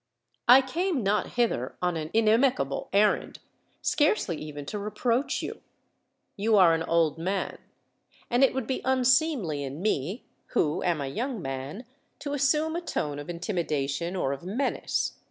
I came not hither on an inimical errand—scarcely even to reproach you. You are an old man—and it would be unseemly in me, who am a young man, to assume a tone of intimidation or of menace.